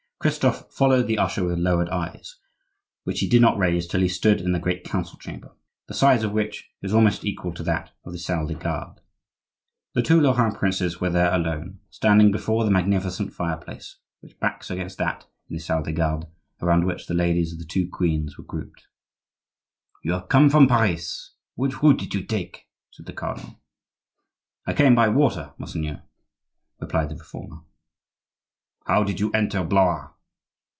Christophe followed the usher with lowered eyes, which he did not raise till he stood in the great council chamber, the size of which is almost equal to that of the salle des gardes. The two Lorrain princes were there alone, standing before the magnificent fireplace, which backs against that in the salle des gardes around which the ladies of the two queens were grouped. "You have come from Paris; which route did you take?" said the cardinal. "I came by water, monseigneur," replied the reformer. "How did you enter Blois?"